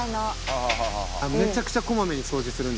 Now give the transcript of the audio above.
「めちゃくちゃこまめに掃除するんで」